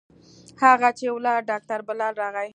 هغه چې ولاړ ډاکتر بلال راغى.